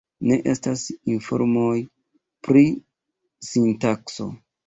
Ne estas informoj pri sintakso.